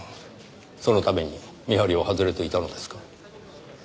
そのために見張りを外れていたのですか？